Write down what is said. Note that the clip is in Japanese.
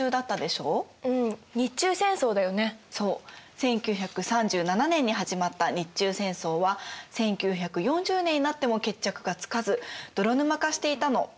１９３７年に始まった日中戦争は１９４０年になっても決着がつかず泥沼化していたの。